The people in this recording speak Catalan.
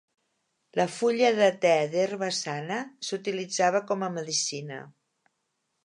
La fulla de te d'herba sana s'utilitzava com a medicina.